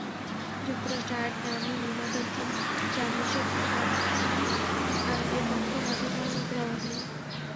যুক্তরাষ্ট্রের আরেক নামি নির্মাতা জিম জারমুশের প্যাটারসন-এর পক্ষেও বাজি ধরার লোকের অভাব নেই।